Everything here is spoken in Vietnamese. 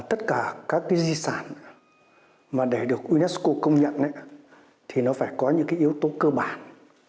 tất cả các cái di sản mà để được unesco công nhận thì nó phải có những cái yếu tố cơ bản